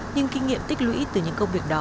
nhưng kinh nghiệm tích lũy từ những công việc đó